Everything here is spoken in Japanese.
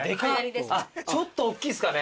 ちょっとおっきいっすかね